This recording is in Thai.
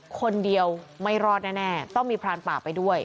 คนเดียวไม่รอดแน่ต้องมีพรานป่าไปด้วย